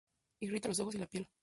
Irrita los ojos y la piel.